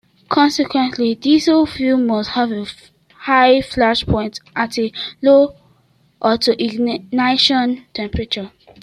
Consequently, diesel fuel must have a high flash point and a low autoignition temperature.